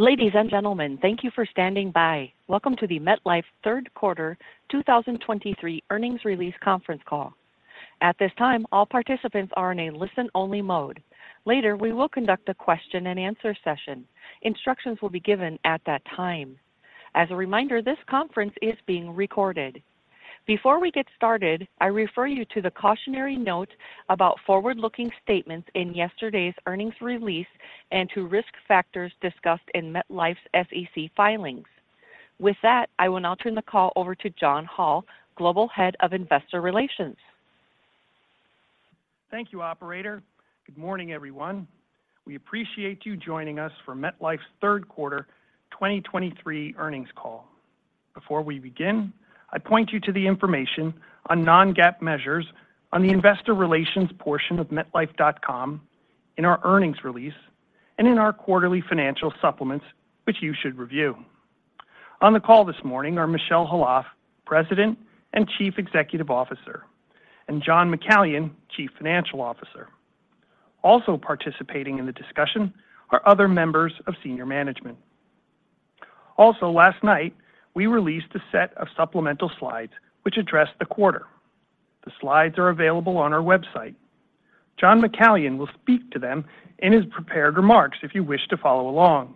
Ladies and gentlemen, thank you for standing by. Welcome to the MetLife Third Quarter 2023 Earnings Release Conference Call. At this time, all participants are in a listen-only mode. Later, we will conduct a question-and-answer session. Instructions will be given at that time. As a reminder, this conference is being recorded. Before we get started, I refer you to the cautionary note about forward-looking statements in yesterday's earnings release and to risk factors discussed in MetLife's SEC filings. With that, I will now turn the call over to John Hall, Global Head of Investor Relations. Thank you, operator. Good morning, everyone. We appreciate you joining us for MetLife's third quarter 2023 earnings call. Before we begin, I point you to the information on non-GAAP measures on the investor relations portion of metlife.com, in our earnings release, and in our quarterly financial supplements, which you should review. On the call this morning are Michel Khalaf, President and Chief Executive Officer, and John McCallion, Chief Financial Officer. Also participating in the discussion are other members of senior management. Also, last night, we released a set of supplemental slides which address the quarter. The slides are available on our website. John McCallion will speak to them in his prepared remarks if you wish to follow along.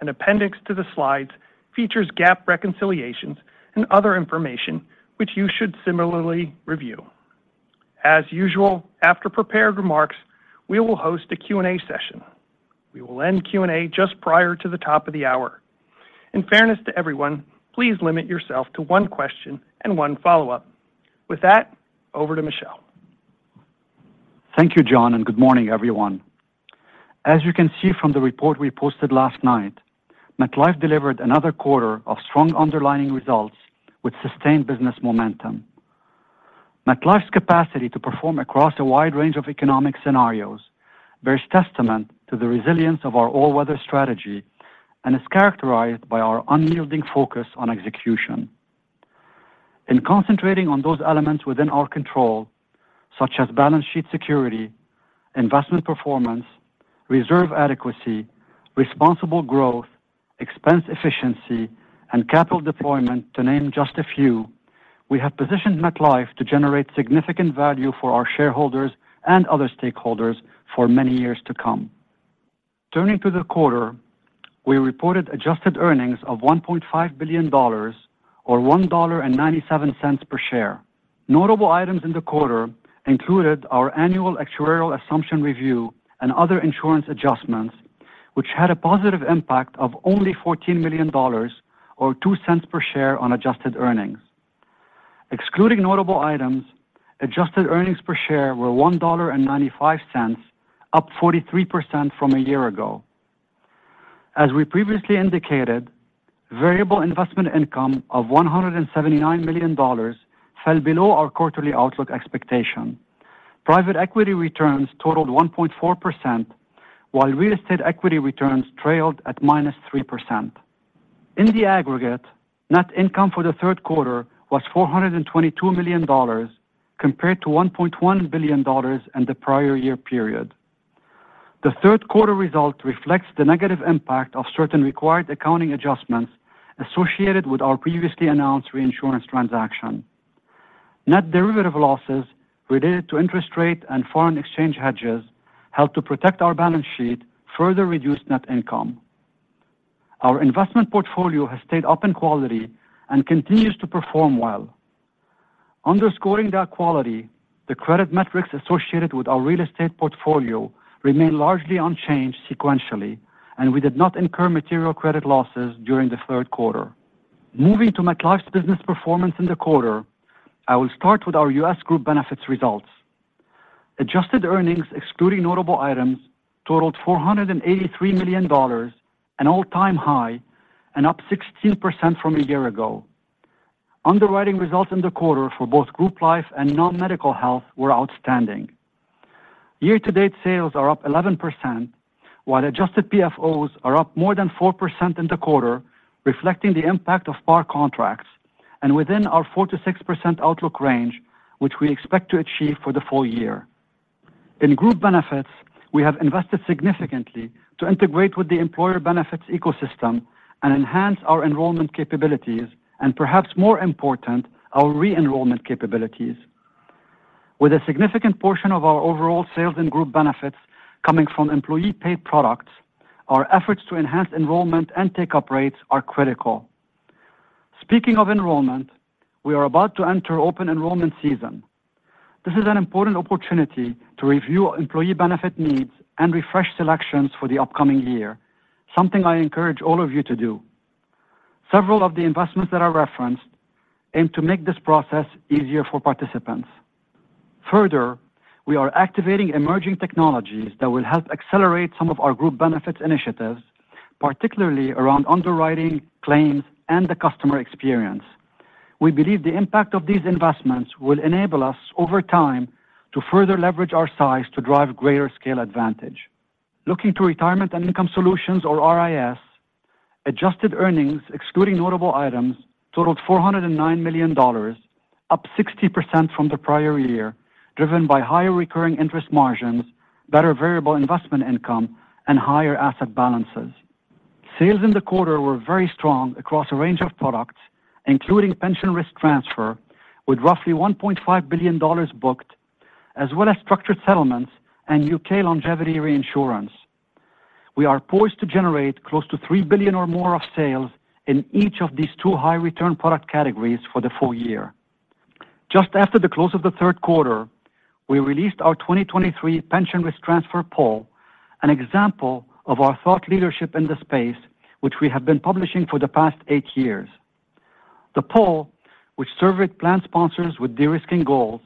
An appendix to the slides features GAAP reconciliations and other information which you should similarly review. As usual, after prepared remarks, we will host a Q&A session. We will end Q&A just prior to the top of the hour. In fairness to everyone, please limit yourself to one question and one follow-up. With that, over to Michel. Thank you, John, and good morning, everyone. As you can see from the report we posted last night, MetLife delivered another quarter of strong underlying results with sustained business momentum. MetLife's capacity to perform across a wide range of economic scenarios bears testament to the resilience of our all-weather strategy and is characterized by our unyielding focus on execution. In concentrating on those elements within our control, such as balance sheet security, investment performance, reserve adequacy, responsible growth, expense efficiency, and capital deployment, to name just a few, we have positioned MetLife to generate significant value for our shareholders and other stakeholders for many years to come. Turning to the quarter, we reported adjusted earnings of $1.5 billion or $1.97 per share. Notable items in the quarter included our annual actuarial assumption review and other insurance adjustments, which had a positive impact of only $14 million or $0.02 per share on adjusted earnings. Excluding notable items, adjusted earnings per share were $1.95, up 43% from a year ago. As we previously indicated, variable investment income of $179 million fell below our quarterly outlook expectation. Private equity returns totaled 1.4%, while real estate equity returns trailed at -3%. In the aggregate, net income for the third quarter was $422 million, compared to $1.1 billion in the prior year period. The third quarter result reflects the negative impact of certain required accounting adjustments associated with our previously announced reinsurance transaction. Net derivative losses related to interest rate and foreign exchange hedges helped to protect our balance sheet, further reduced net income. Our investment portfolio has stayed up in quality and continues to perform well. Underscoring that quality, the credit metrics associated with our real estate portfolio remain largely unchanged sequentially, and we did not incur material credit losses during the third quarter. Moving to MetLife's business performance in the quarter, I will start with our U.S. Group Benefits results. Adjusted earnings, excluding notable items, totaled $483 million, an all-time high and up 16% from a year ago. Underwriting results in the quarter for both group life and non-medical health were outstanding. Year-to-date sales are up 11%, while adjusted PFOs are up more than 4% in the quarter, reflecting the impact of par contracts and within our 4%-6% outlook range, which we expect to achieve for the full year. In Group Benefits, we have invested significantly to integrate with the employer benefits ecosystem and enhance our enrollment capabilities, and perhaps more important, our re-enrollment capabilities. With a significant portion of our overall sales and group benefits coming from employee-paid products, our efforts to enhance enrollment and take-up rates are critical. Speaking of enrollment, we are about to enter open enrollment season. This is an important opportunity to review employee benefit needs and refresh selections for the upcoming year, something I encourage all of you to do. Several of the investments that I referenced aim to make this process easier for participants. Further, we are activating emerging technologies that will help accelerate some of our Group Benefits initiatives, particularly around underwriting, claims, and the customer experience. We believe the impact of these investments will enable us, over time, to further leverage our size to drive greater scale advantage. Looking to Retirement and Income Solutions, or RIS, adjusted earnings, excluding notable items, totaled $409 million, up 60% from the prior year driven by higher recurring interest margins, better Variable Investment Income, and higher asset balances. Sales in the quarter were very strong across a range of products, including Pension Risk Transfer, with roughly $1.5 billion booked as well as structured settlements and U.K. longevity reinsurance. We are poised to generate close to $3 billion or more of sales in each of these two high-return product categories for the full year. Just after the close of the third quarter, we released our 2023 pension risk transfer poll, an example of our thought leadership in this space, which we have been publishing for the past eight years. The poll, which surveyed plan sponsors with de-risking goals,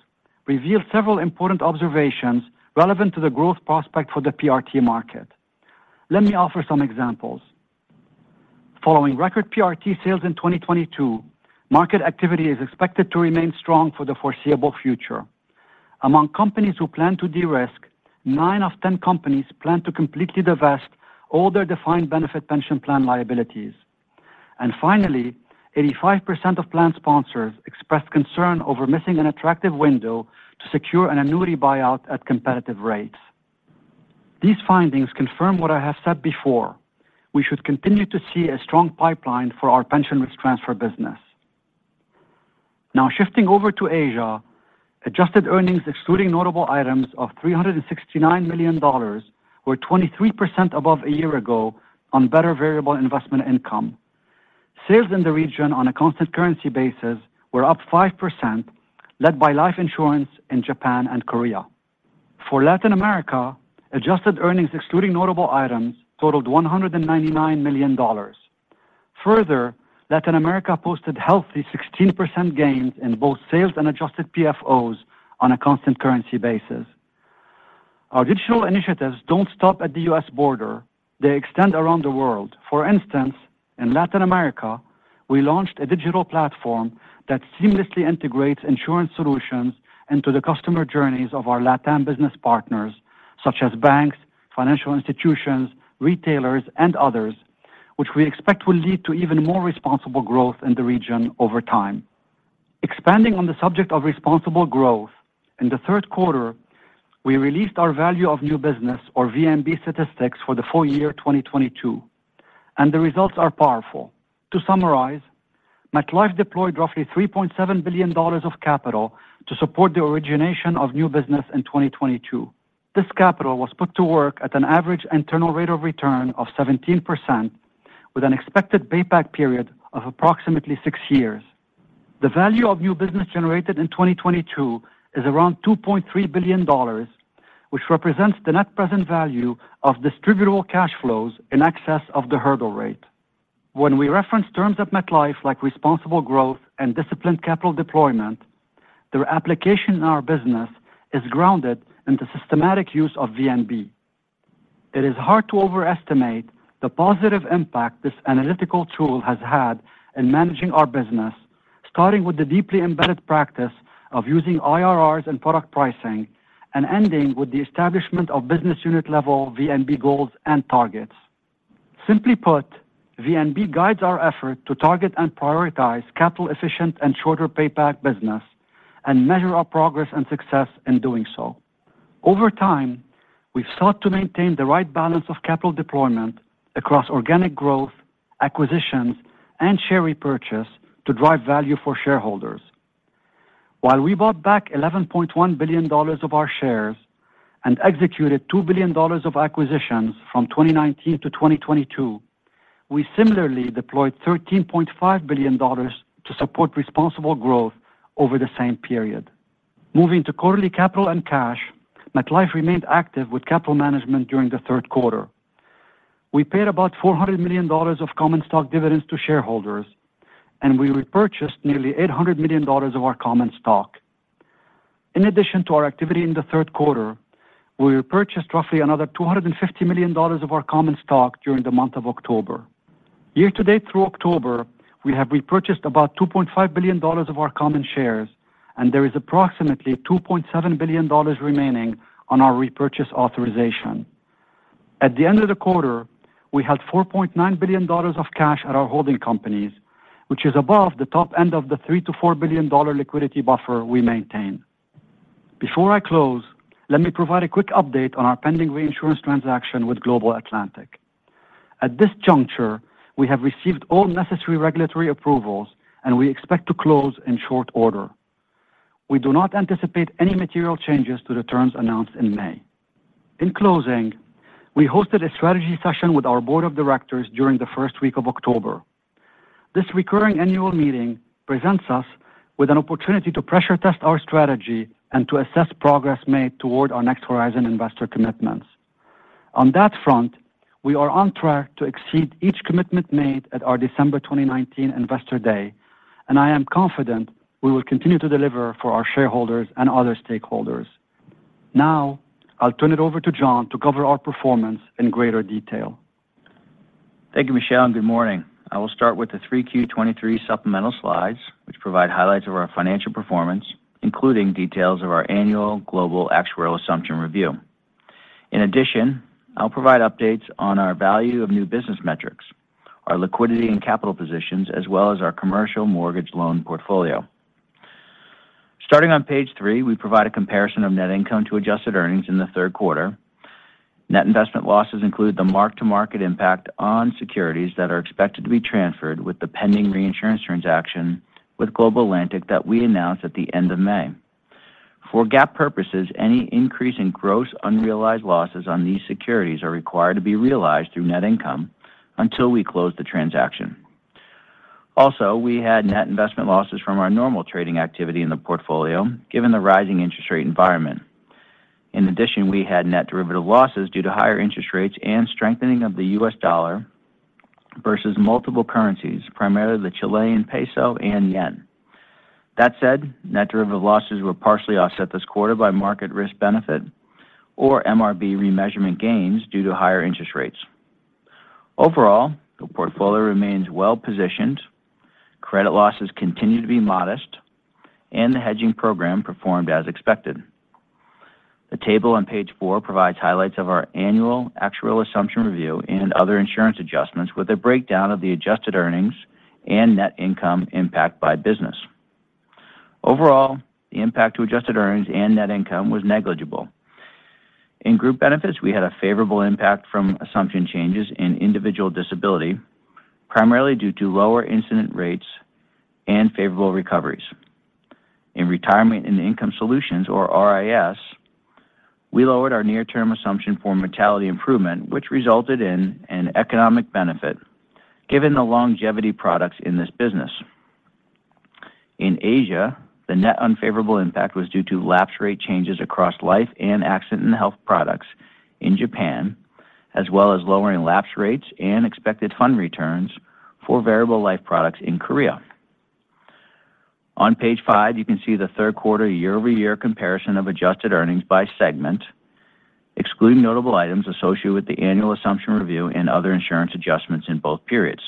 revealed several important observations relevant to the growth prospect for the PRT market. Let me offer some examples. Following record PRT sales in 2022, market activity is expected to remain strong for the foreseeable future. Among companies who plan to de-risk, nine out of ten companies plan to completely divest all their defined benefit pension plan liabilities. Finally, 85% of plan sponsors expressed concern over missing an attractive window to secure an annuity buyout at competitive rates. These findings confirm what I have said before. We should continue to see a strong pipeline for our pension risk transfer business. Now, shifting over to Asia, adjusted earnings, excluding notable items of $369 million, were 23% above a year ago on better variable investment income. Sales in the region on a constant currency basis were up 5%, led by life insurance in Japan and Korea. For Latin America, adjusted earnings, excluding notable items, totaled $199 million. Further, Latin America posted healthy 16% gains in both sales and adjusted PFOs on a constant currency basis. Our digital initiatives don't stop at the U.S. border, they extend around the world. For instance, in Latin America, we launched a digital platform that seamlessly integrates insurance solutions into the customer journeys of our LatAm business partners, such as banks, financial institutions, retailers, and others, which we expect will lead to even more responsible growth in the region over time. Expanding on the subject of responsible growth, in the third quarter, we released our value of new business or VNB statistics for the full year 2022, and the results are powerful. To summarize, MetLife deployed roughly $3.7 billion of capital to support the origination of new business in 2022. This capital was put to work at an average internal rate of return of 17%, with an expected payback period of approximately six years. The value of new business generated in 2022 is around $2.3 billion, which represents the net present value of distributable cash flows in excess of the hurdle rate. When we reference terms at MetLife, like responsible growth and disciplined capital deployment, their application in our business is grounded in the systematic use of VNB. It is hard to overestimate the positive impact this analytical tool has had in managing our business, starting with the deeply embedded practice of using IRRs in product pricing and ending with the establishment of business unit level VNB goals and targets. Simply put, VNB guides our effort to target and prioritize capital-efficient and shorter payback business and measure our progress and success in doing so. Over time, we've sought to maintain the right balance of capital deployment across organic growth, acquisitions, and share repurchase to drive value for shareholders. While we bought back $11.1 billion of our shares and executed $2 billion of acquisitions from 2019 to 2022, we similarly deployed $13.5 billion to support responsible growth over the same period. Moving to quarterly capital and cash, MetLife remained active with capital management during the third quarter. We paid about $400 million of common stock dividends to shareholders, and we repurchased nearly $800 million of our common stock. In addition to our activity in the third quarter, we repurchased roughly another $250 million of our common stock during the month of October. Year-to-date through October, we have repurchased about $2.5 billion of our common shares, and there is approximately $2.7 billion remaining on our repurchase authorization. At the end of the quarter, we had $4.9 billion of cash at our holding companies, which is above the top end of the $3 billion-$4 billion liquidity buffer we maintain. Before I close, let me provide a quick update on our pending reinsurance transaction with Global Atlantic. At this juncture, we have received all necessary regulatory approvals, and we expect to close in short order. We do not anticipate any material changes to the terms announced in May. In closing, we hosted a strategy session with our board of directors during the first week of October. This recurring annual meeting presents us with an opportunity to pressure test our strategy and to assess progress made toward our next horizon investor commitments. On that front, we are on track to exceed each commitment made at our December 2019 Investor Day, and I am confident we will continue to deliver for our shareholders and other stakeholders. Now, I'll turn it over to John to cover our performance in greater detail. Thank you, Michel, and good morning. I will start with the Q3 2023 supplemental slides, which provide highlights of our financial performance, including details of our annual global actuarial assumption review. In addition, I'll provide updates on our value of new business metrics, our liquidity and capital positions, as well as our commercial mortgage loan portfolio. Starting on page three, we provide a comparison of net income to adjusted earnings in the third quarter. Net investment losses include the mark-to-market impact on securities that are expected to be transferred with the pending reinsurance transaction with Global Atlantic that we announced at the end of May. For GAAP purposes, any increase in gross unrealized losses on these securities are required to be realized through net income until we close the transaction. Also, we had net investment losses from our normal trading activity in the portfolio, given the rising interest rate environment. In addition, we had net derivative losses due to higher interest rates and strengthening of the U.S. dollar versus multiple currencies, primarily the Chilean peso and yen. That said, net derivative losses were partially offset this quarter by market risk benefit or MRB remeasurement gains due to higher interest rates. Overall, the portfolio remains well-positioned, credit losses continue to be modest, and the hedging program performed as expected. The table on page four provides highlights of our annual actuarial assumption review and other insurance adjustments, with a breakdown of the adjusted earnings and net income impact by business. Overall, the impact to adjusted earnings and net income was negligible. In Group Benefits, we had a favorable impact from assumption changes in individual disability, primarily due to lower incident rates and favorable recoveries. In Retirement and Income Solutions, or RIS, we lowered our near-term assumption for mortality improvement, which resulted in an economic benefit, given the longevity products in this business. In Asia, the net unfavorable impact was due to lapse rate changes across life and accident and health products in Japan, as well as lowering lapse rates and expected fund returns for variable life products in Korea. On page five, you can see the third quarter year-over-year comparison of adjusted earnings by segment, excluding notable items associated with the annual assumption review and other insurance adjustments in both periods.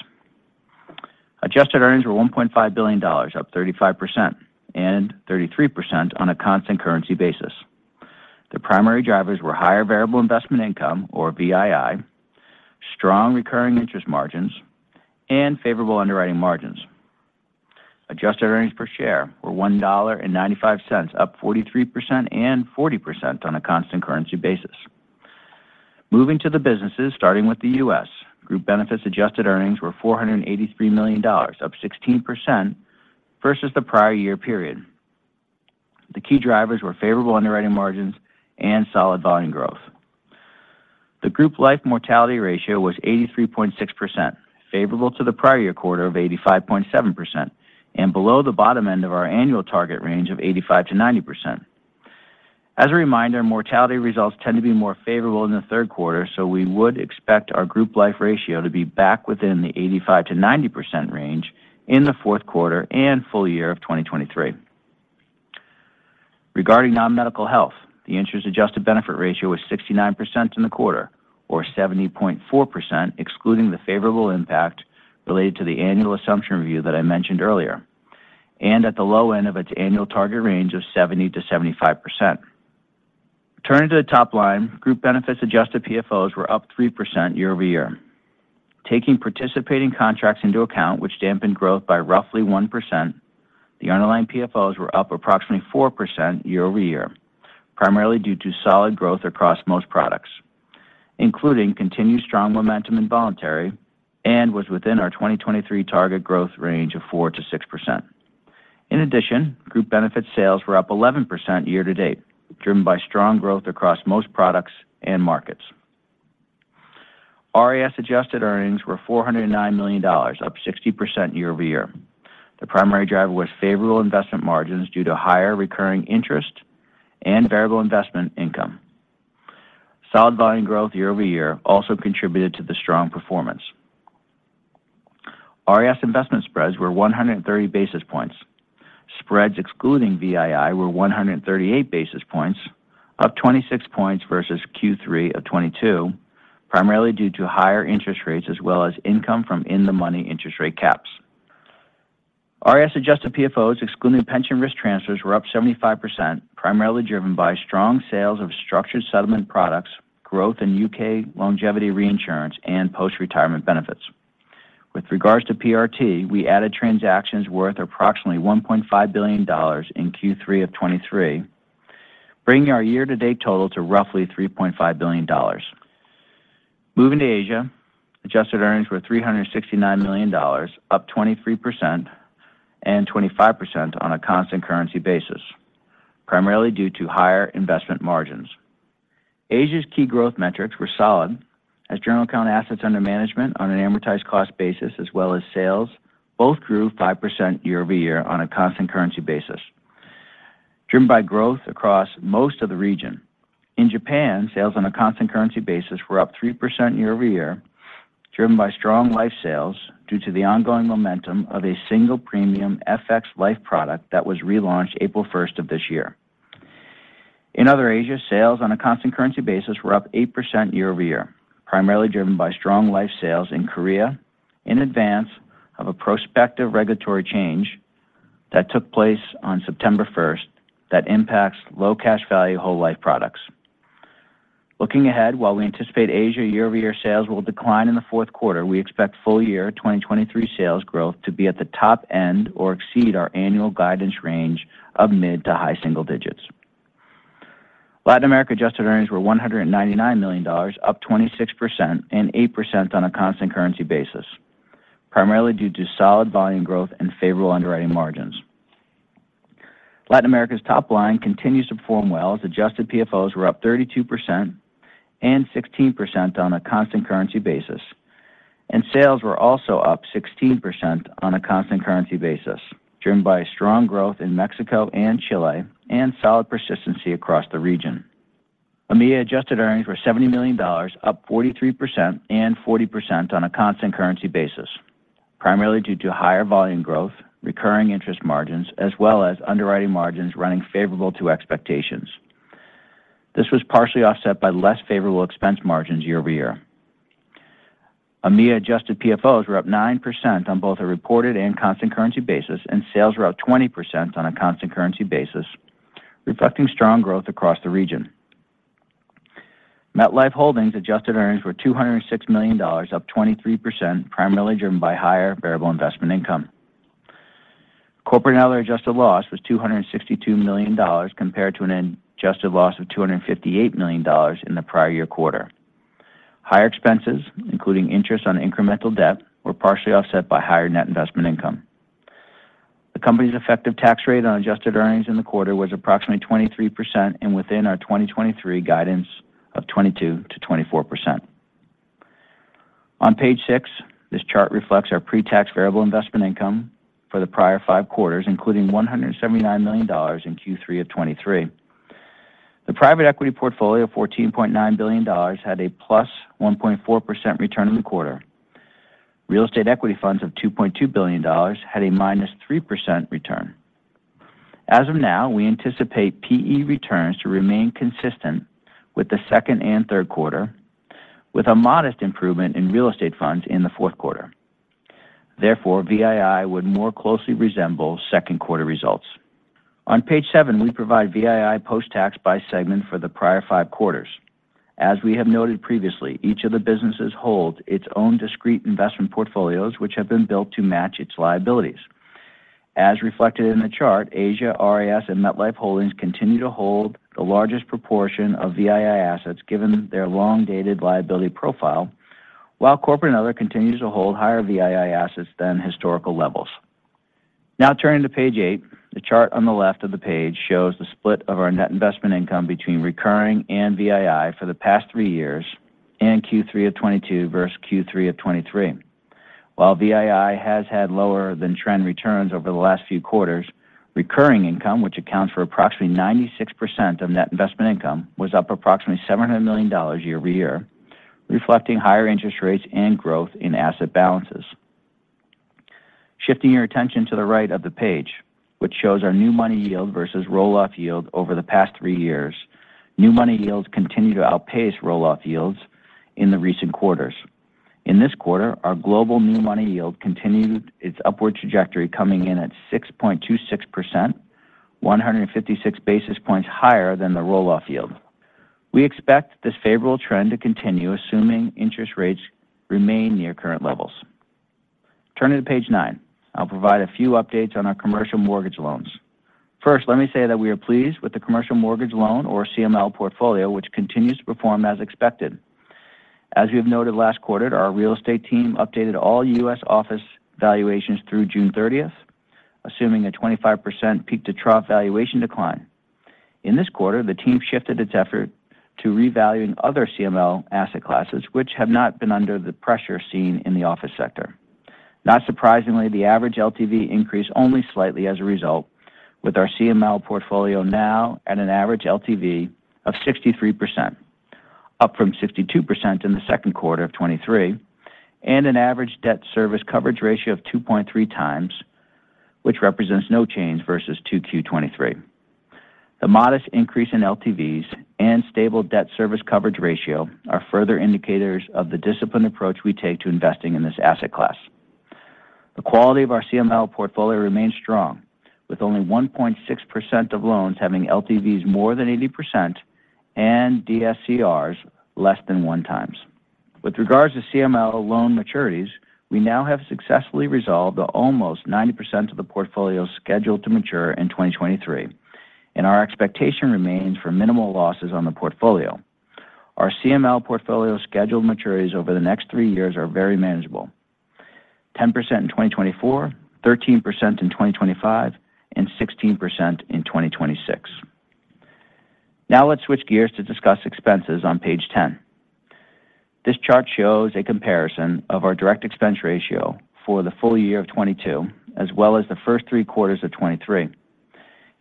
Adjusted earnings were $1.5 billion, up 35% and 33% on a constant currency basis. The primary drivers were higher variable investment income, or VII, strong recurring interest margins, and favorable underwriting margins. Adjusted earnings per share were $1.95, up 43% and 40% on a constant currency basis. Moving to the businesses, starting with the U.S., Group Benefits adjusted earnings were $483 million, up 16% versus the prior year period. The key drivers were favorable underwriting margins and solid volume growth. The group life mortality ratio was 83.6%, favorable to the prior year quarter of 85.7%, and below the bottom end of our annual target range of 85%-90%. As a reminder, mortality results tend to be more favorable in the third quarter, so we would expect our group life ratio to be back within the 85%-90% range in the fourth quarter and full year of 2023. Regarding non-medical health, the interest-adjusted benefit ratio was 69% in the quarter, or 70.4%, excluding the favorable impact related to the annual assumption review that I mentioned earlier, and at the low end of its annual target range of 70%-75%. Turning to the top line, Group Benefits adjusted PFOs were up 3% year-over-year. Taking participating contracts into account, which dampened growth by roughly 1%, the underlying PFOs were up approximately 4% year-over-year, primarily due to solid growth across most products, including continued strong momentum in voluntary and was within our 2023 target growth range of 4%-6%. In addition, Group Benefits sales were up 11% year-to-date, driven by strong growth across most products and markets. RIS adjusted earnings were $409 million, up 60% year-over-year. The primary driver was favorable investment margins due to higher recurring interest and variable investment income. Solid volume growth year-over-year also contributed to the strong performance. RIS investment spreads were 130 basis points. Spreads excluding VII were 138 basis points, up 26 points versus Q3 of 2022, primarily due to higher interest rates as well as income from in-the-money interest rate caps. RIS adjusted PFOs, excluding pension risk transfers, were up 75%, primarily driven by strong sales of structured settlement products, growth in U.K. longevity reinsurance, and postretirement benefits. With regards to PRT, we added transactions worth approximately $1.5 billion in Q3 of 2023, bringing our year-to-date total to roughly $3.5 billion. Moving to Asia, adjusted earnings were $369 million, up 23% and 25% on a constant currency basis, primarily due to higher investment margins. Asia's key growth metrics were solid, as general account assets under management on an amortized cost basis, as well as sales, both grew 5% year-over-year on a constant currency basis, driven by growth across most of the region. In Japan, sales on a constant currency basis were up 3% year-over-year, driven by strong life sales due to the ongoing momentum of a single premium FX life product that was relaunched April first of this year. In other Asia, sales on a constant currency basis were up 8% year-over-year, primarily driven by strong life sales in Korea in advance of a prospective regulatory change that took place on September first, that impacts low cash value whole life products. Looking ahead, while we anticipate Asia year-over-year sales will decline in the fourth quarter, we expect full year 2023 sales growth to be at the top end or exceed our annual guidance range of mid to high single digits. Latin America adjusted earnings were $199 million, up 26% and 8% on a constant currency basis, primarily due to solid volume growth and favorable underwriting margins. Latin America's top line continues to perform well, as adjusted PFOs were up 32% and 16% on a constant currency basis, and sales were also up 16% on a constant currency basis, driven by strong growth in Mexico and Chile and solid persistency across the region. EMEA adjusted earnings were $70 million, up 43% and 40% on a constant currency basis, primarily due to higher volume growth, recurring interest margins, as well as underwriting margins running favorable to expectations. This was partially offset by less favorable expense margins year-over-year. EMEA adjusted PFOs were up 9% on both a reported and constant currency basis, and sales were up 20% on a constant currency basis, reflecting strong growth across the region. MetLife Holdings adjusted earnings were $206 million, up 23%, primarily driven by higher variable investment income. Corporate & Other adjusted loss was $262 million, compared to an adjusted loss of $258 million in the prior year quarter. Higher expenses, including interest on incremental debt, were partially offset by higher net investment income. The company's effective tax rate on adjusted earnings in the quarter was approximately 23% and within our 2023 guidance of 22%-24%. On page six, this chart reflects our pre-tax variable investment income for the prior five quarters, including $179 million in Q3 of 2023. The private equity portfolio of $14.9 billion had a +1.4% return in the quarter. Real estate equity funds of $2.2 billion had a -3% return. As of now, we anticipate PE returns to remain consistent with the second and third quarter, with a modest improvement in real estate funds in the fourth quarter. Therefore, VII would more closely resemble second quarter results. On page seven, we provide VII post-tax by segment for the prior five quarters. As we have noted previously, each of the businesses holds its own discrete investment portfolios, which have been built to match its liabilities. As reflected in the chart, Asia, RIS, and MetLife Holdings continue to hold the largest proportion of VII assets given their long-dated liability profile, while Corporate & Other continues to hold higher VII assets than historical levels. Now turning to page eight, the chart on the left of the page shows the split of our net investment income between recurring and VII for the past three years in Q3 of 2022 versus Q3 of 2023. While VII has had lower than trend returns over the last few quarters, recurring income, which accounts for approximately 96% of net investment income, was up approximately $700 million year-over-year, reflecting higher interest rates and growth in asset balances. Shifting your attention to the right of the page, which shows our new money yield versus roll-off yield over the past three years. New money yields continue to outpace roll-off yields in the recent quarters. In this quarter, our global new money yield continued its upward trajectory, coming in at 6.26%, 156 basis points higher than the roll-off yield. We expect this favorable trend to continue, assuming interest rates remain near current levels. Turning to page nine, I'll provide a few updates on our commercial mortgage loans. First, let me say that we are pleased with the commercial mortgage loan, or CML portfolio, which continues to perform as expected. As we have noted last quarter, our real estate team updated all U.S. office valuations through June thirtieth, assuming a 25% peak-to-trough valuation decline. In this quarter, the team shifted its effort to revaluing other CML asset classes, which have not been under the pressure seen in the office sector. Not surprisingly, the average LTV increased only slightly as a result, with our CML portfolio now at an average LTV of 63%, up from 62% in the second quarter of 2023, and an average debt service coverage ratio of 2.3x, which represents no change versus 2Q 2023. The modest increase in LTVs and stable debt service coverage ratio are further indicators of the disciplined approach we take to investing in this asset class. The quality of our CML portfolio remains strong, with only 1.6% of loans having LTVs more than 80% and DSCRs less than 1x. With regards to CML loan maturities, we now have successfully resolved almost 90% of the portfolio scheduled to mature in 2023, and our expectation remains for minimal losses on the portfolio. Our CML portfolio scheduled maturities over the next three years are very manageable: 10% in 2024, 13% in 2025, and 16% in 2026. Now let's switch gears to discuss expenses on page ten. This chart shows a comparison of our direct expense ratio for the full year of 2022, as well as the first three quarters of 2023.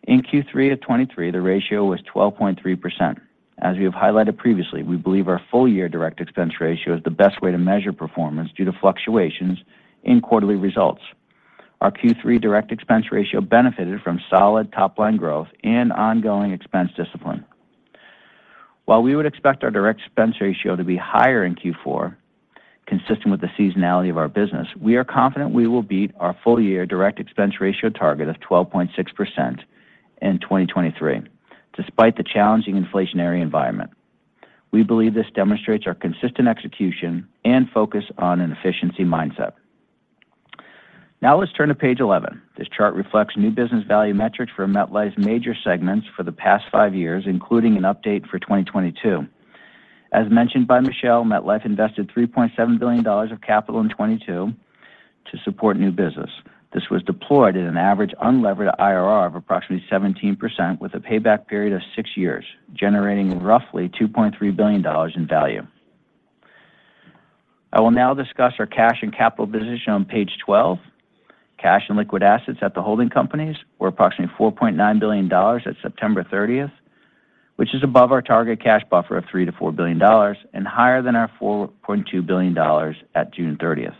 In Q3 of 2023, the ratio was 12.3%. As we have highlighted previously, we believe our full year direct expense ratio is the best way to measure performance due to fluctuations in quarterly results. Our Q3 direct expense ratio benefited from solid top-line growth and ongoing expense discipline.... While we would expect our direct expense ratio to be higher in Q4, consistent with the seasonality of our business, we are confident we will beat our full year direct expense ratio target of 12.6% in 2023, despite the challenging inflationary environment. We believe this demonstrates our consistent execution and focus on an efficiency mindset. Now let's turn to page 11. This chart reflects new business value metrics for MetLife's major segments for the past five years, including an update for 2022. As mentioned by Michel, MetLife invested $3.7 billion of capital in 2022 to support new business. This was deployed at an average unlevered IRR of approximately 17%, with a payback period of six years, generating roughly $2.3 billion in value. I will now discuss our cash and capital position on page 12. Cash and liquid assets at the holding companies were approximately $4.9 billion at September 30th, which is above our target cash buffer of $3-$4 billion and higher than our $4.2 billion at June 30th.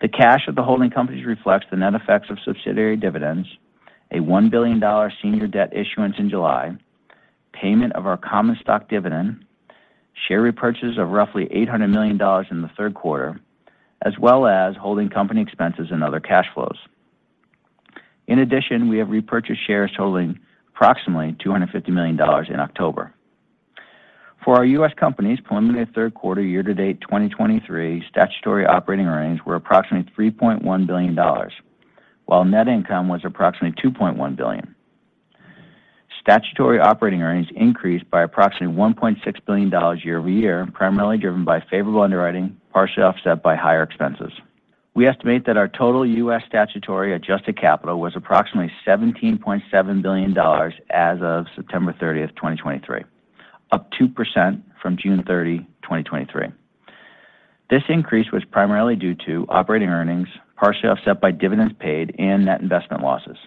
The cash of the holding companies reflects the net effects of subsidiary dividends, a $1 billion senior debt issuance in July, payment of our common stock dividend, share repurchases of roughly $800 million in the third quarter, as well as holding company expenses and other cash flows. In addition, we have repurchased shares totaling approximately $250 million in October. For our U.S. companies, preliminary third quarter year-to-date 2023 statutory operating earnings were approximately $3.1 billion, while net income was approximately $2.1 billion. Statutory operating earnings increased by approximately $1.6 billion year-over-year, primarily driven by favorable underwriting, partially offset by higher expenses. We estimate that our total U.S. statutory adjusted capital was approximately $17.7 billion as of September 30, 2023, up 2% from June 30, 2023. This increase was primarily due to operating earnings, partially offset by dividends paid and net investment losses.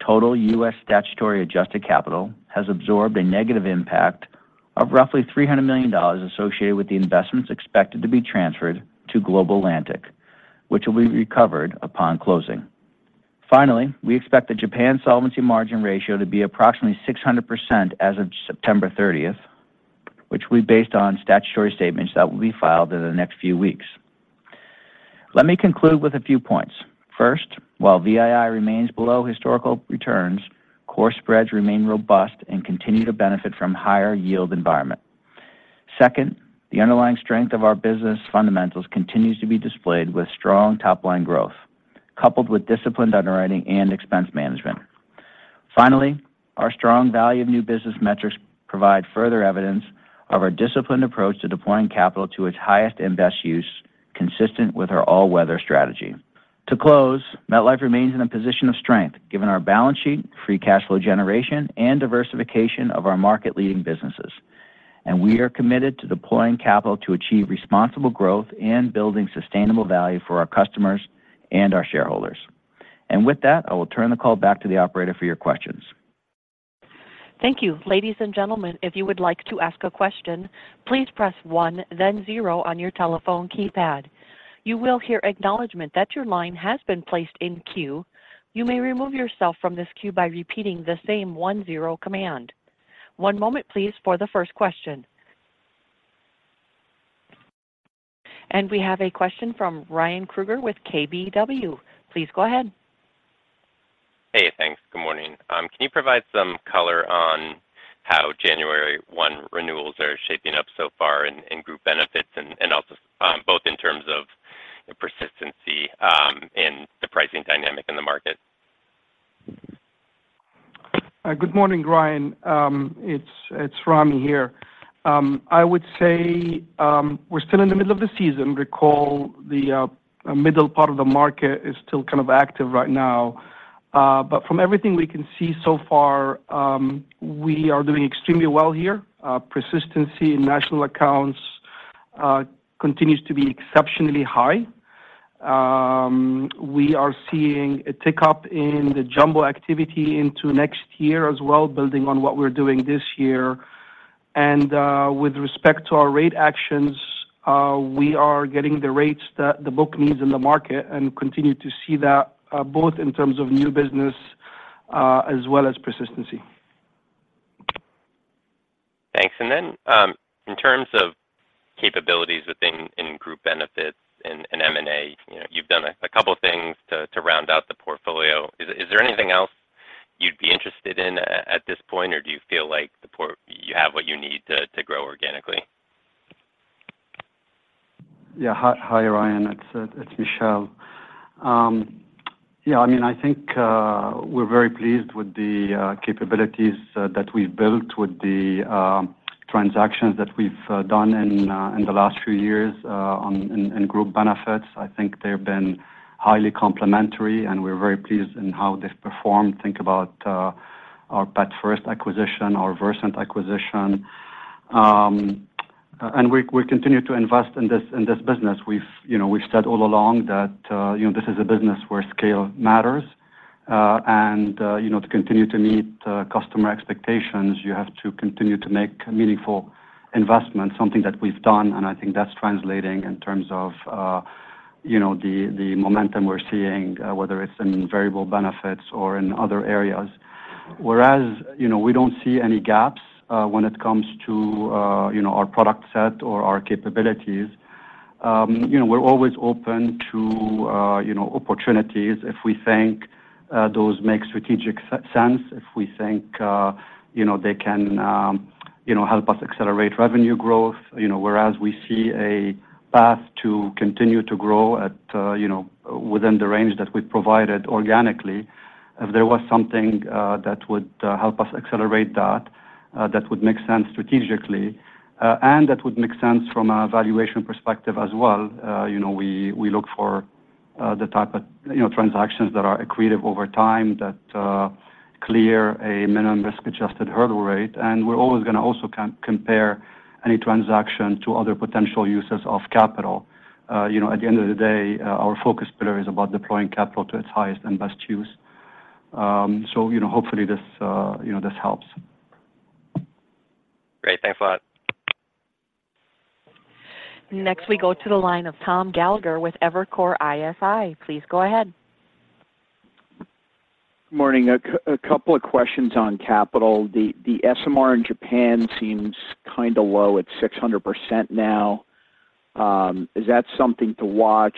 Total U.S. statutory adjusted capital has absorbed a negative impact of roughly $300 million associated with the investments expected to be transferred to Global Atlantic, which will be recovered upon closing. Finally, we expect the Japan solvency margin ratio to be approximately 600% as of September 30, which we based on statutory statements that will be filed in the next few weeks. Let me conclude with a few points. First, while VII remains below historical returns, core spreads remain robust and continue to benefit from higher yield environment. Second, the underlying strength of our business fundamentals continues to be displayed with strong top-line growth, coupled with disciplined underwriting and expense management. Finally, our strong value of new business metrics provide further evidence of our disciplined approach to deploying capital to its highest and best use, consistent with our all-weather strategy. To close, MetLife remains in a position of strength, given our balance sheet, free cash flow generation, and diversification of our market-leading businesses. We are committed to deploying capital to achieve responsible growth and building sustainable value for our customers and our shareholders. With that, I will turn the call back to the operator for your questions. Thank you. Ladies and gentlemen, if you would like to ask a question, please press one, then zero on your telephone keypad. You will hear acknowledgment that your line has been placed in queue. You may remove yourself from this queue by repeating the same one zero command. One moment, please, for the first question. We have a question from Ryan Krueger with KBW. Please go ahead. Hey, thanks. Good morning. Can you provide some color on how January 1 renewals are shaping up so far in group benefits and also both in terms of persistency and the pricing dynamic in the market? Good morning, Ryan. It's Ramy here. I would say we're still in the middle of the season. Recall, the middle part of the market is still kind of active right now. But from everything we can see so far, we are doing extremely well here. Persistency in national accounts continues to be exceptionally high. We are seeing a tick-up in the jumbo activity into next year as well, building on what we're doing this year. And with respect to our rate actions, we are getting the rates that the book needs in the market and continue to see that both in terms of new business as well as persistency. Thanks. And then, in terms of capabilities within Group Benefits and M&A, you know, you've done a couple of things to round out the portfolio. Is there anything else you'd be interested in at this point, or do you feel like you have what you need to grow organically? Yeah. Hi, hi, Ryan. It's it's Michel. Yeah, I mean, I think we're very pleased with the capabilities that we've built with the transactions that we've done in the last few years in Group Benefits. I think they've been highly complementary, and we're very pleased in how they've performed. Think about our PetFirst acquisition, our Versant acquisition. And we we continue to invest in this in this business. We've you know, we've said all along that you know, this is a business where scale matters. And you know, to continue to meet customer expectations, you have to continue to make meaningful investment, something that we've done, and I think that's translating in terms of, you know, the momentum we're seeing, whether it's in variable benefits or in other areas. Whereas, you know, we don't see any gaps, when it comes to, you know, our product set or our capabilities. You know, we're always open to, you know, opportunities if we think, those make strategic sense, if we think, you know, they can, you know, help us accelerate revenue growth. You know, whereas we see a path to continue to grow at, you know, within the range that we've provided organically. If there was something, that would, help us accelerate that, that would make sense strategically, and that would make sense from a valuation perspective as well. You know, we look for the type of, you know, transactions that are accretive over time, that clear a minimum risk-adjusted hurdle rate, and we're always going to also compare any transaction to other potential uses of capital. You know, at the end of the day, our focus pillar is about deploying capital to its highest and best use. So, you know, hopefully this, you know, this helps. Great. Thanks a lot. Next, we go to the line of Tom Gallagher with Evercore ISI. Please go ahead. Morning. A couple of questions on capital. The SMR in Japan seems kind of low at 600% now. Is that something to watch,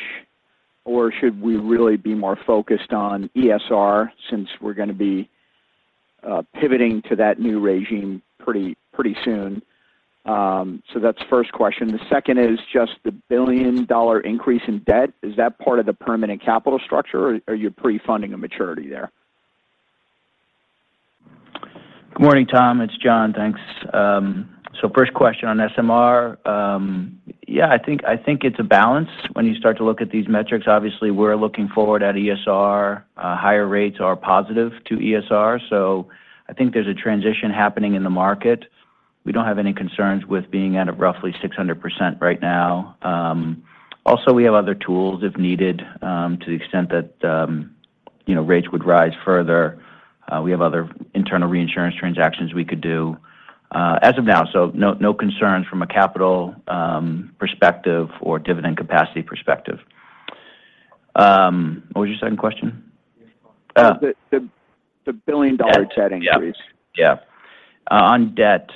or should we really be more focused on ESR since we're going to be pivoting to that new regime pretty soon? So that's the first question. The second is just the billion-dollar increase in debt. Is that part of the permanent capital structure, or are you prefunding a maturity there? Good morning, Tom. It's John. Thanks. So first question on SMR. Yeah, I think, I think it's a balance when you start to look at these metrics. Obviously, we're looking forward at ESR. Higher rates are positive to ESR, so I think there's a transition happening in the market. We don't have any concerns with being at a roughly 600% right now. Also, we have other tools if needed, to the extent that, you know, rates would rise further. We have other internal reinsurance transactions we could do, as of now. So no, no concerns from a capital, perspective or dividend capacity perspective. What was your second question? The billion-dollar debt increase. Yeah. Yeah. On debt,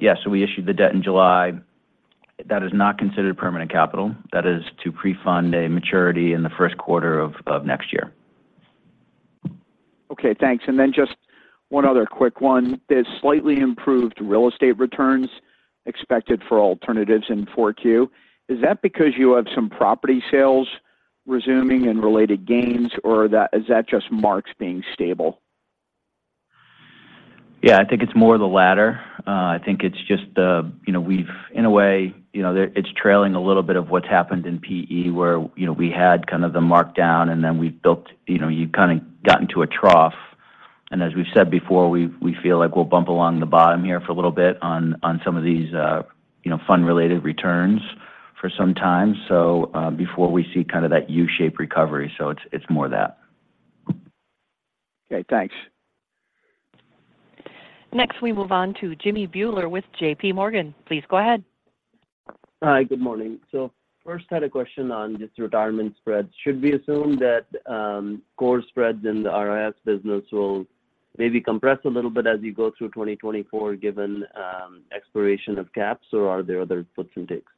yes, so we issued the debt in July. That is not considered permanent capital. That is to prefund a maturity in the first quarter of next year. Okay, thanks. And then just one other quick one. There's slightly improved real estate returns expected for alternatives in 4Q. Is that because you have some property sales resuming and related gains, or is that just marks being stable? Yeah, I think it's more of the latter. I think it's just the, you know, we've in a way, you know, it's trailing a little bit of what's happened in PE, where, you know, we had kind of the markdown, and then we built... You know, you kind of gotten to a trough. And as we've said before, we, we feel like we'll bump along the bottom here for a little bit on, on some of these, you know, fund-related returns for some time, so, before we see kind of that U-shaped recovery. So it's, it's more that. Okay, thanks. Next, we move on to Jimmy Bhullar with JPMorgan. Please go ahead. Hi, good morning. So first, I had a question on just retirement spreads. Should we assume that core spreads in the RIS business will maybe compress a little bit as you go through 2024, given expiration of caps, or are there other inputs and takes?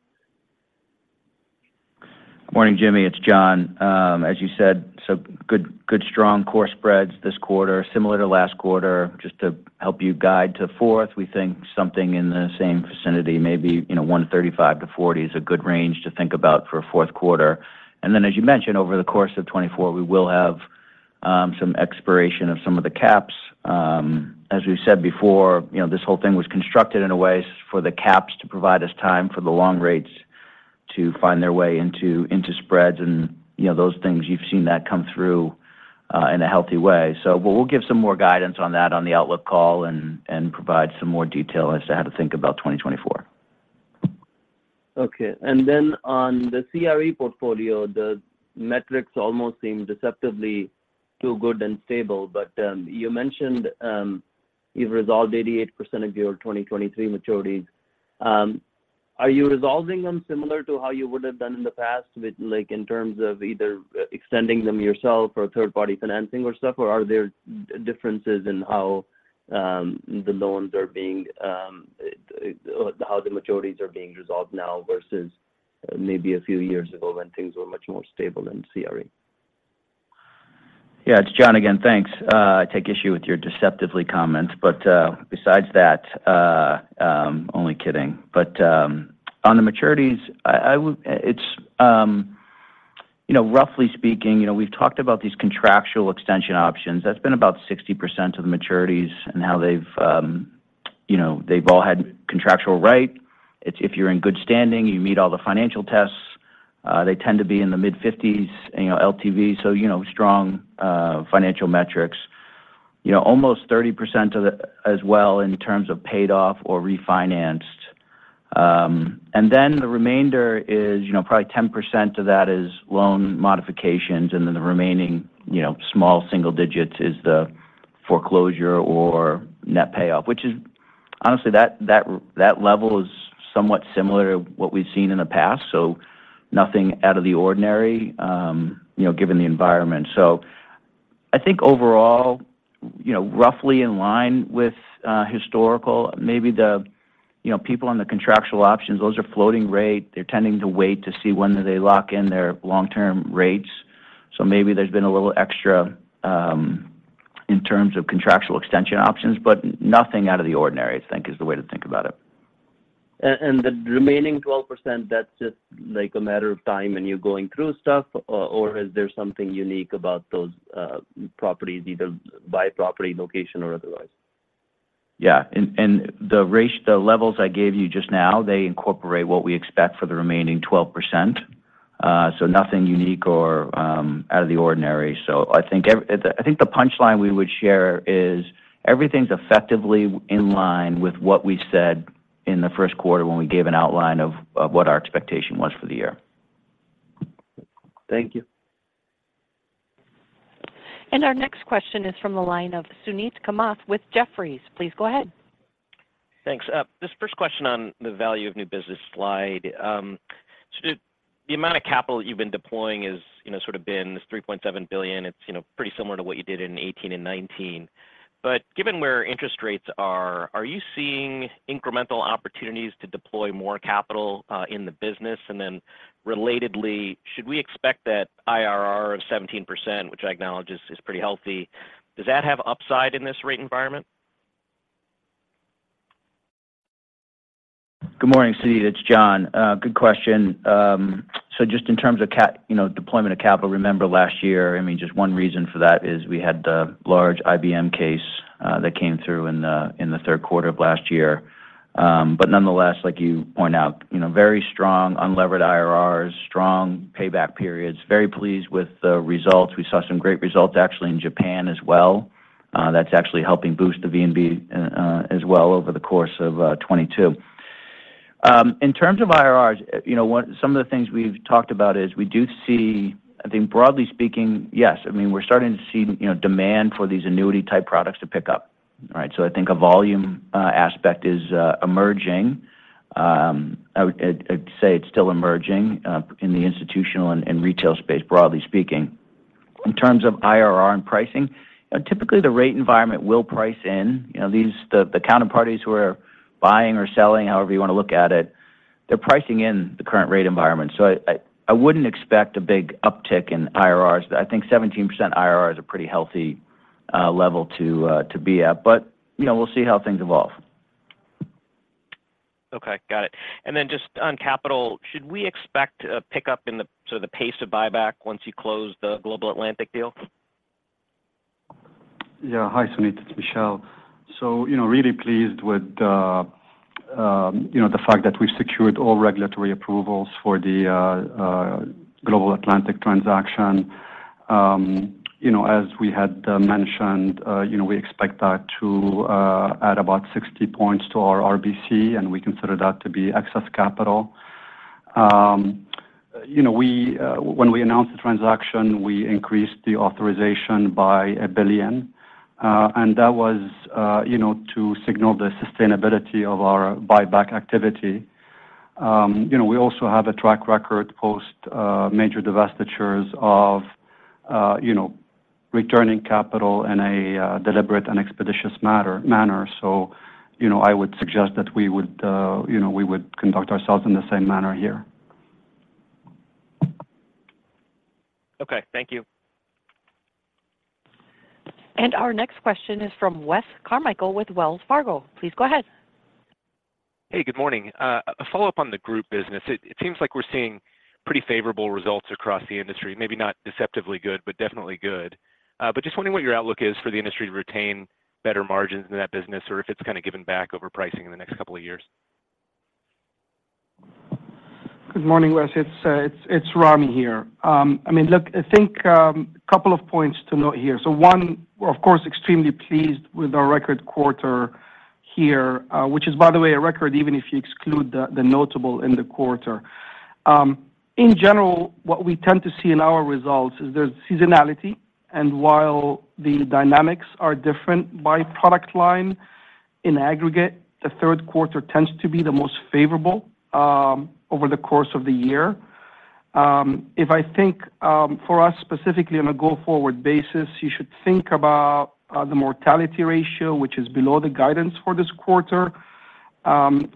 Morning, Jimmy. It's John. As you said, so good, good, strong core spreads this quarter, similar to last quarter. Just to help you guide to fourth, we think something in the same vicinity, maybe, you know, 135-140 is a good range to think about for a fourth quarter. And then, as you mentioned, over the course of 2024, we will have, some expiration of some of the caps. As we've said before, you know, this whole thing was constructed in a way for the caps to provide us time for the long rates to find their way into, into spreads and, you know, those things you've seen that come through, in a healthy way. So but we'll give some more guidance on that on the outlook call and, and provide some more detail as to how to think about 2024. Okay. And then on the CRE portfolio, the metrics almost seem deceptively too good and stable. But, you mentioned, you've resolved 88% of your 2023 maturities. Are you resolving them similar to how you would have done in the past, with like, in terms of either extending them yourself or third-party financing or stuff? Or are there differences in how the maturities are being resolved now versus maybe a few years ago when things were much more stable in CRE? Yeah, it's John again. Thanks. I take issue with your deceptive comment, but besides that, only kidding. But on the maturities, I would. It's you know, roughly speaking, you know, we've talked about these contractual extension options. That's been about 60% of the maturities and how they've you know, they've all had contractual rights. It's if you're in good standing, you meet all the financial tests, they tend to be in the mid-50s LTV, so you know, strong financial metrics. You know, almost 30% of the—as well in terms of paid off or refinanced. And then the remainder is you know, probably 10% of that is loan modifications, and then the remaining you know, small single digits is the... foreclosure or net payoff, which is honestly, that, that, that level is somewhat similar to what we've seen in the past, so nothing out of the ordinary, you know, given the environment. So I think overall, you know, roughly in line with, historical, maybe the, you know, people on the contractual options, those are floating rate. They're tending to wait to see whether they lock in their long-term rates. So maybe there's been a little extra, in terms of contractual extension options, but nothing out of the ordinary, I think, is the way to think about it. The remaining 12%, that's just like a matter of time and you're going through stuff, or is there something unique about those properties, either by property location or otherwise? Yeah. And the ratio, the levels I gave you just now, they incorporate what we expect for the remaining 12%. So nothing unique or out of the ordinary. So I think the punchline we would share is everything's effectively in line with what we said in the first quarter when we gave an outline of what our expectation was for the year. Thank you. Our next question is from the line of Suneet Kamath with Jefferies. Please go ahead. Thanks. This first question on the value of new business slide. So the amount of capital you've been deploying is, you know, sort of been this $3.7 billion. It's, you know, pretty similar to what you did in 2018 and 2019. But given where interest rates are, are you seeing incremental opportunities to deploy more capital in the business? And then relatedly, should we expect that IRR of 17%, which I acknowledge is, is pretty healthy, does that have upside in this rate environment? Good morning, Suneet, it's John. Good question. So just in terms of capital deployment, remember last year, I mean, just one reason for that is we had the large IBM case that came through in the third quarter of last year. But nonetheless, like you point out, you know, very strong unlevered IRRs, strong payback periods, very pleased with the results. We saw some great results actually in Japan as well. That's actually helping boost the VNB as well over the course of 2022. In terms of IRRs, you know, some of the things we've talked about is we do see, I think broadly speaking, yes, I mean, we're starting to see, you know, demand for these annuity-type products to pick up. All right? So I think a volume aspect is emerging. I'd say it's still emerging in the institutional and retail space, broadly speaking. In terms of IRR and pricing, typically the rate environment will price in. You know, the counterparties who are buying or selling, however you want to look at it, they're pricing in the current rate environment. So I wouldn't expect a big uptick in IRRs. I think 17% IRR is a pretty healthy level to be at. But, you know, we'll see how things evolve. Okay, got it. And then just on capital, should we expect a pickup in the, so the pace of buyback once you close the Global Atlantic deal? Yeah. Hi, Suneet, it's Michel. So, you know, really pleased with the, you know, the fact that we've secured all regulatory approvals for the Global Atlantic transaction. You know, as we had mentioned, you know, we expect that to add about 60 points to our RBC, and we consider that to be excess capital. You know, when we announced the transaction, we increased the authorization by $1 billion, and that was, you know, to signal the sustainability of our buyback activity. You know, we also have a track record post major divestitures of, you know, returning capital in a deliberate and expeditious manner. So, you know, I would suggest that we would, you know, we would conduct ourselves in the same manner here. Okay, thank you. Our next question is from Wes Carmichael with Wells Fargo. Please go ahead. Hey, good morning. A follow-up on the group business. It seems like we're seeing pretty favorable results across the industry. Maybe not deceptively good, but definitely good. But just wondering what your outlook is for the industry to retain better margins in that business, or if it's kind of given back over pricing in the next couple of years. Good morning, Wes. It's Ramy here. I mean, look, I think a couple of points to note here. So one, we're of course extremely pleased with our record quarter here, which is, by the way, a record even if you exclude the notable in the quarter. In general, what we tend to see in our results is there's seasonality, and while the dynamics are different by product line, in aggregate, the third quarter tends to be the most favorable over the course of the year. If I think for us, specifically on a go-forward basis, you should think about the mortality ratio, which is below the guidance for this quarter.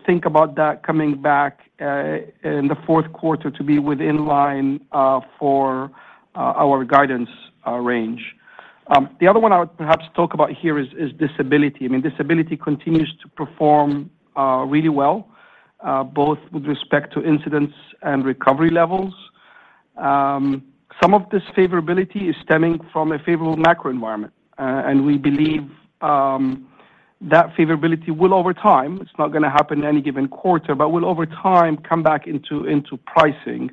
Think about that coming back in the fourth quarter to be within line for our guidance range. The other one I would perhaps talk about here is disability. I mean, disability continues to perform really well both with respect to incidents and recovery levels. Some of this favorability is stemming from a favorable macro environment. And we believe that favorability will over time; it's not going to happen in any given quarter, but will over time come back into pricing.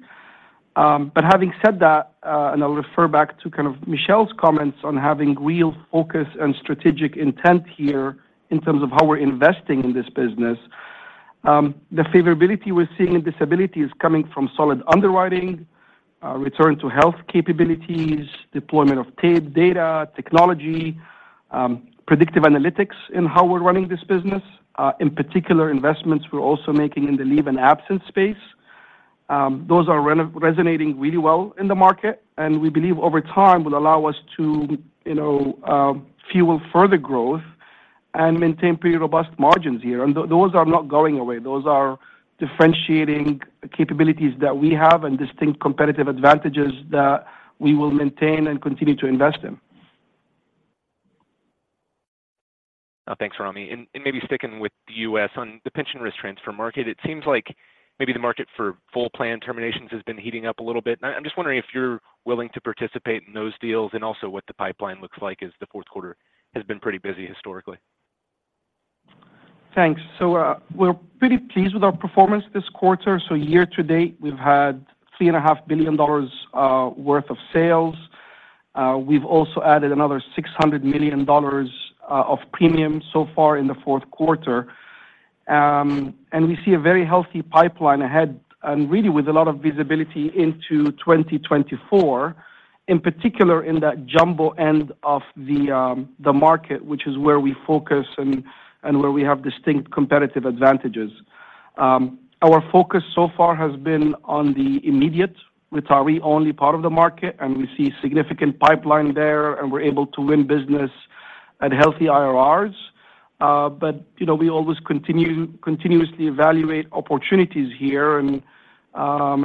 But having said that, and I'll refer back to kind of Michel's comments on having real focus and strategic intent here in terms of how we're investing in this business. The favorability we're seeing in disability is coming from solid underwriting, return to health capabilities, deployment of data, technology, predictive analytics in how we're running this business. In particular, investments we're also making in the leave and absence space. Those are resonating really well in the market, and we believe over time will allow us to, you know, fuel further growth and maintain pretty robust margins here. Those are not going away. Those are differentiating capabilities that we have and distinct competitive advantages that we will maintain and continue to invest in. Thanks, Ramy. And maybe sticking with the U.S. on the pension risk transfer market, it seems like maybe the market for full plan terminations has been heating up a little bit. I'm just wondering if you're willing to participate in those deals, and also what the pipeline looks like as the fourth quarter has been pretty busy historically. Thanks. We're pretty pleased with our performance this quarter. Year to date, we've had $3.5 billion worth of sales. We've also added another $600 million of premium so far in the fourth quarter. And we see a very healthy pipeline ahead, and really, with a lot of visibility into 2024, in particular, in that jumbo end of the market, which is where we focus and where we have distinct competitive advantages. Our focus so far has been on the immediate, which are we only part of the market, and we see significant pipeline there, and we're able to win business at healthy IRRs. But, you know, we always continuously evaluate opportunities here, and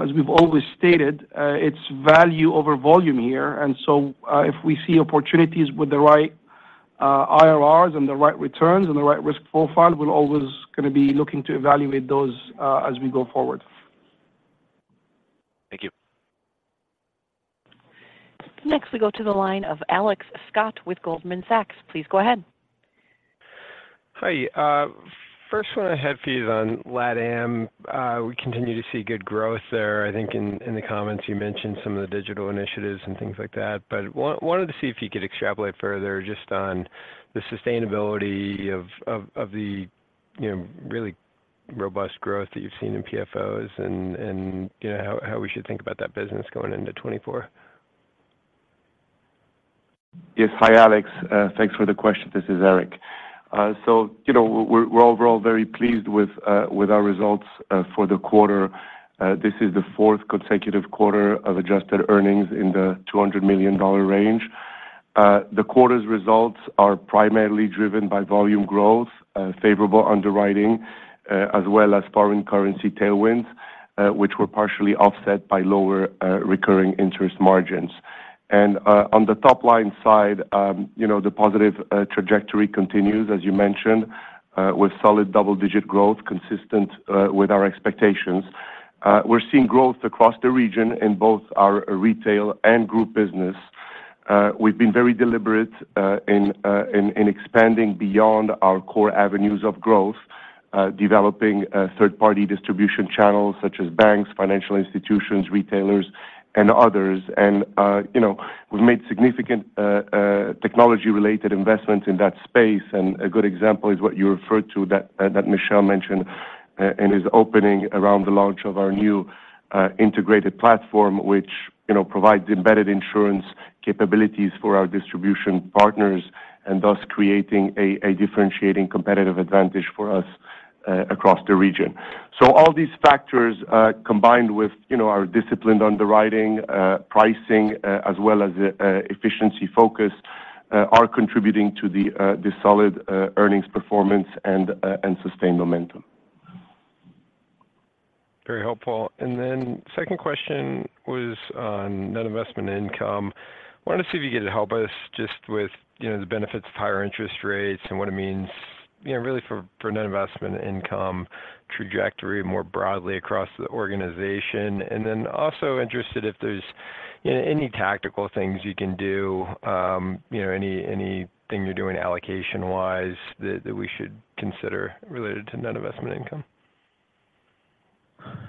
as we've always stated, it's value over volume here. And so, if we see opportunities with the right IRRs and the right returns and the right risk profile, we're always gonna be looking to evaluate those, as we go forward. Thank you. Next, we go to the line of Alex Scott with Goldman Sachs. Please go ahead. Hi. First one I had for you on LatAm. We continue to see good growth there. I think in the comments, you mentioned some of the digital initiatives and things like that, but wanted to see if you could extrapolate further just on the sustainability of the, you know, really robust growth that you've seen in PFOs and, you know, how we should think about that business going into 2024. Yes. Hi, Alex. Thanks for the question. This is Eric. So, you know, we're, we're overall very pleased with, with our results, for the quarter. This is the fourth consecutive quarter of adjusted earnings in the $200 million range. The quarter's results are primarily driven by volume growth, favorable underwriting, as well as foreign currency tailwinds, which were partially offset by lower, recurring interest margins. On the top line side, you know, the positive, trajectory continues, as you mentioned, with solid double-digit growth, consistent, with our expectations. We're seeing growth across the region in both our retail and group business. We've been very deliberate, in, in expanding beyond our core avenues of growth, developing, third-party distribution channels such as banks, financial institutions, retailers, and others. You know, we've made significant technology-related investments in that space, and a good example is what you referred to, that Michel mentioned, and is opening around the launch of our new integrated platform, which, you know, provides embedded insurance capabilities for our distribution partners, and thus creating a differentiating competitive advantage for us across the region. So all these factors, combined with, you know, our disciplined underwriting, pricing, as well as efficiency focus, are contributing to the solid earnings performance and sustained momentum. Very helpful. And then second question was on net investment income. Wanted to see if you could help us just with, you know, the benefits of higher interest rates and what it means, you know, really for net investment income trajectory more broadly across the organization. And then also interested if there's any tactical things you can do, you know, anything you're doing allocation wise that we should consider related to net investment income.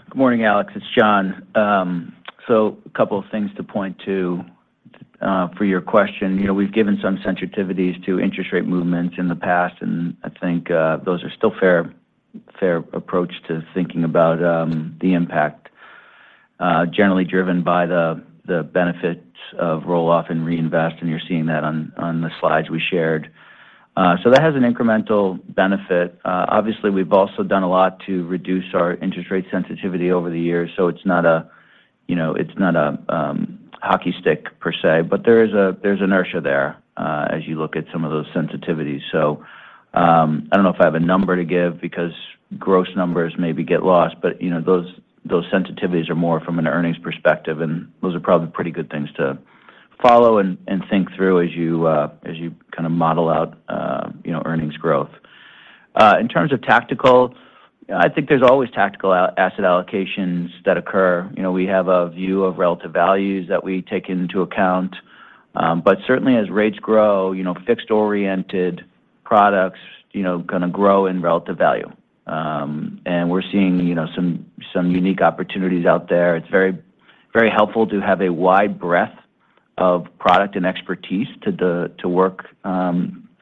Good morning, Alex. It's John. So a couple of things to point to for your question. You know, we've given some sensitivities to interest rate movements in the past, and I think those are still fair, fair approach to thinking about the impact, generally driven by the benefits of roll-off and reinvest, and you're seeing that on the slides we shared. So that has an incremental benefit. Obviously, we've also done a lot to reduce our interest rate sensitivity over the years, so it's not a, you know, it's not a hockey stick per se, but there is a-- there's inertia there as you look at some of those sensitivities. So, I don't know if I have a number to give because gross numbers maybe get lost, but, you know, those, those sensitivities are more from an earnings perspective, and those are probably pretty good things to follow and, and think through as you, as you kinda model out, you know, earnings growth. In terms of tactical, I think there's always tactical asset allocations that occur. You know, we have a view of relative values that we take into account, but certainly as rates grow, you know, fixed-oriented products, you know, gonna grow in relative value. And we're seeing, you know, some, some unique opportunities out there. It's very, very helpful to have a wide breadth, of product and expertise to work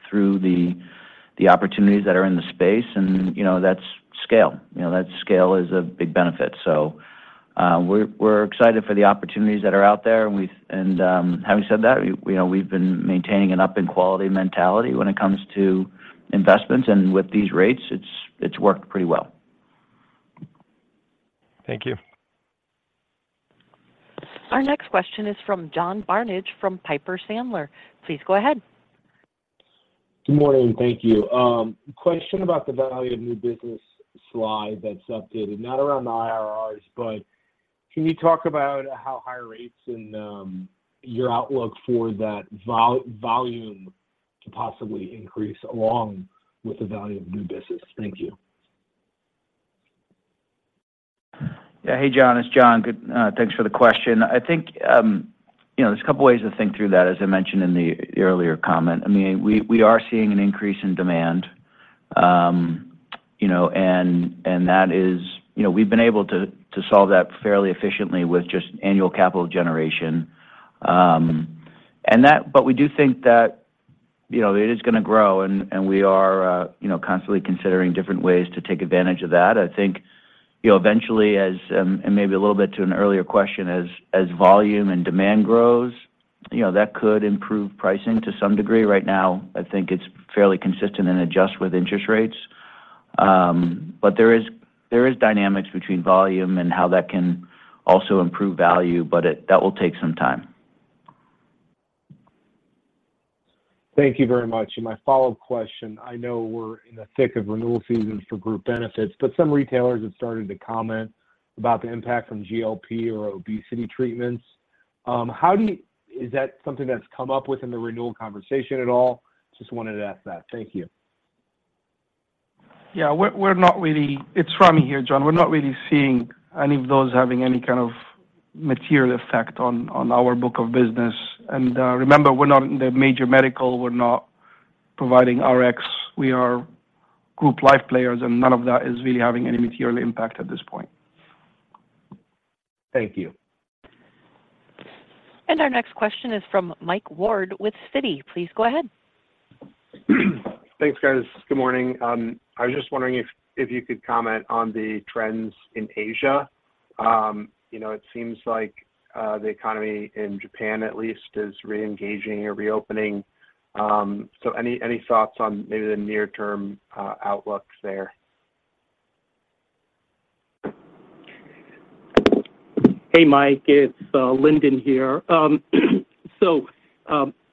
through the opportunities that are in the space, and, you know, that's scale. You know, that scale is a big benefit. So, we're excited for the opportunities that are out there, and, having said that, we, you know, we've been maintaining an up in quality mentality when it comes to investments, and with these rates, it's worked pretty well. Thank you. Our next question is from John Barnidge from Piper Sandler. Please go ahead. Good morning. Thank you. Question about the value of new business slide that's updated, not around the IRRs, but can you talk about how higher rates and your outlook for that volume to possibly increase along with the value of new business? Thank you. Yeah. Hey, John, it's John. Good, thanks for the question. I think, you know, there's a couple ways to think through that, as I mentioned in the earlier comment. I mean, we, we are seeing an increase in demand, you know, and, and that is... You know, we've been able to, to solve that fairly efficiently with just annual capital generation. And that, but we do think that, you know, it is gonna grow and, and we are, you know, constantly considering different ways to take advantage of that. I think, you know, eventually, as, and maybe a little bit to an earlier question, as, as volume and demand grows, you know, that could improve pricing to some degree. Right now, I think it's fairly consistent and adjust with interest rates. But there is dynamics between volume and how that can also improve value, but it, that will take some time. Thank you very much. My follow-up question, I know we're in the thick of renewal season for group benefits, but some retailers have started to comment about the impact from GLP or obesity treatments. How do you-- is that something that's come up within the renewal conversation at all? Just wanted to ask that. Thank you. Yeah, we're not really... It's Ramy here, John. We're not really seeing any of those having any kind of material effect on our book of business. And, remember, we're not in the major medical, we're not providing Rx. We are group life players, and none of that is really having any material impact at this point. Thank you. Our next question is from Mike Ward with Citi. Please go ahead. Thanks, guys. Good morning. I was just wondering if you could comment on the trends in Asia. You know, it seems like the economy in Japan at least is reengaging or reopening. So any thoughts on maybe the near-term outlooks there? Hey, Mike, it's Lyndon here. So,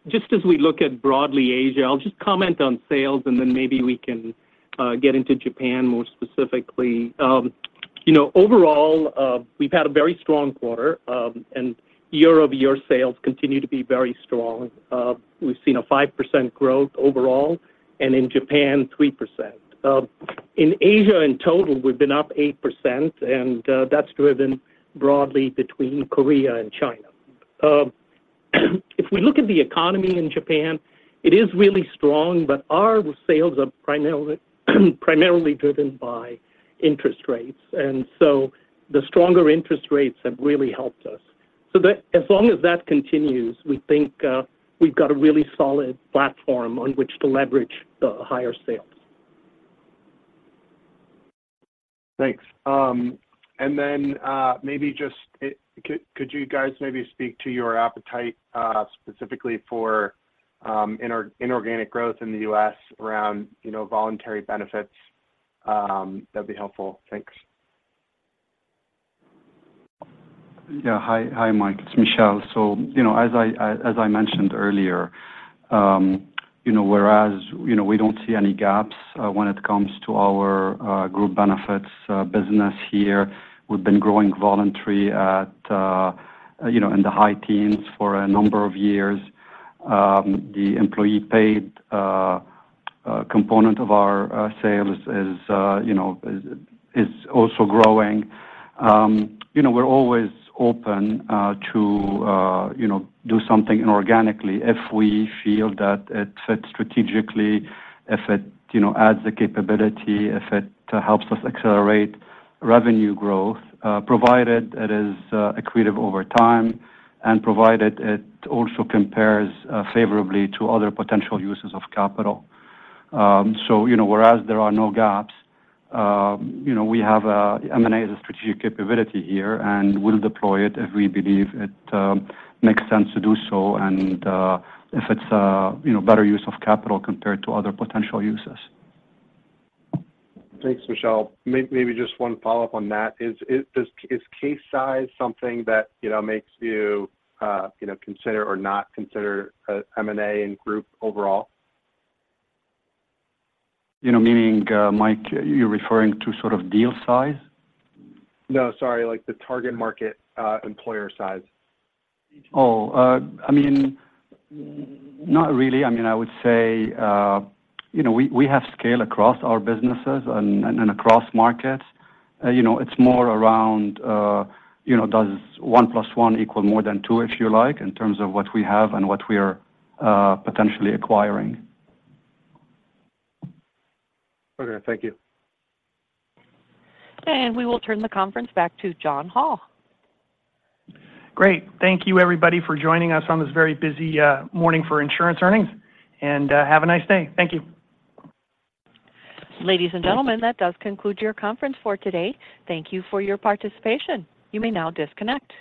just as we look at broadly Asia, I'll just comment on sales, and then maybe we can get into Japan more specifically. You know, overall, we've had a very strong quarter, and year-over-year sales continue to be very strong. We've seen a 5% growth overall, and in Japan, 3%. In Asia, in total, we've been up 8%, and that's driven broadly between Korea and China. If we look at the economy in Japan, it is really strong, but our sales are primarily, primarily driven by interest rates, and so the stronger interest rates have really helped us. So as long as that continues, we think, we've got a really solid platform on which to leverage the higher sales. Thanks. And then, maybe just, could you guys maybe speak to your appetite, specifically for inorganic growth in the U.S. around, you know, voluntary benefits? That'd be helpful. Thanks. Yeah. Hi. Hi, Mike. It's Michel. So, you know, as I, as I mentioned earlier, you know, we don't see any gaps, when it comes to our, group benefits, business here. We've been growing voluntary at, you know, in the high teens for a number of years. The employee paid, component of our, sales is, you know, is, is also growing. You know, we're always open, to, you know, do something inorganically if we feel that it fits strategically, if it, you know, adds the capability, if it helps us accelerate revenue growth, provided it is, accretive over time and provided it also compares, favorably to other potential uses of capital. So, you know, whereas there are no gaps, you know, we have M&A as a strategic capability here, and we'll deploy it if we believe it makes sense to do so and if it's a, you know, better use of capital compared to other potential uses. Thanks, Michel. Maybe just one follow-up on that. Is case size something that, you know, makes you, you know, consider or not consider M&A in group overall? You know, meaning, Mike, you're referring to sort of deal size? No, sorry, like the target market, employer size. Oh, I mean, not really. I mean, I would say, you know, we, we have scale across our businesses and, and, and across markets. You know, it's more around, you know, does one plus one equal more than two, if you like, in terms of what we have and what we are, potentially acquiring? Okay. Thank you. We will turn the conference back to John Hall. Great. Thank you, everybody, for joining us on this very busy morning for insurance earnings, and have a nice day. Thank you. Ladies and gentlemen, that does conclude your conference for today. Thank you for your participation. You may now disconnect.